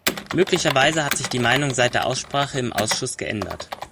Möglicherweise hat sich die Meinung seit der Aussprache im Ausschuss geändert.